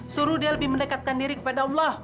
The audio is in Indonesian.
suruh dia lebih mendekatkan diri kepada allah